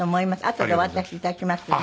あとでお渡しいたしますね。